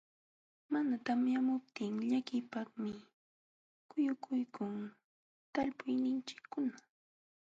Mana tamyamuptin llakiypaqmi quyukuykun talpuyninchikkuna.